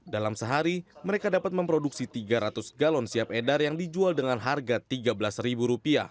dalam sehari mereka dapat memproduksi tiga ratus galon siap edar yang dijual dengan harga rp tiga belas